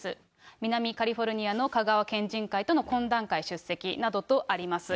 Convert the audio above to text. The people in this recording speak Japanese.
南カリフォルニアの香川県人会との懇談会出席などとあります。